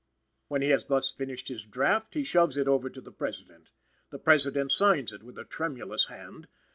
When he has thus finished his draft he shoves it over to the President. The President signs it with tremulous hand.